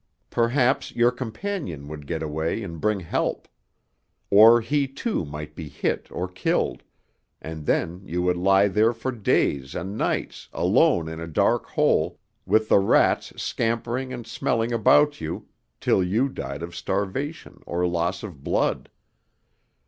Perhaps your companion would get away and bring help. Or he too might be hit or killed, and then you would lie there for days and nights, alone in a dark hole, with the rats scampering and smelling about you, till you died of starvation or loss of blood.